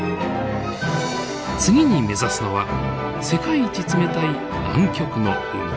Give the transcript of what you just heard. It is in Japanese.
次に目指すのは世界一冷たい南極の海。